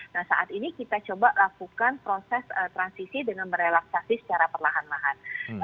nah saat ini kita coba lakukan proses transisi dengan merelaksasi secara perlahan lahan